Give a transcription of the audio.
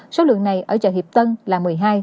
số lượng này ở chợ hiệp tân là một mươi hai